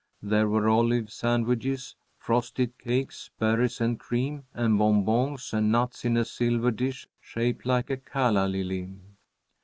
There were olive sandwiches, frosted cakes, berries and cream, and bonbons and nuts in a silver dish shaped like a calla lily.